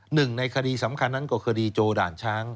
หนึ่งในคดีสำคัญนั้นก็คือคดีโจด่านช้าง